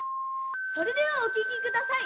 それではおききください！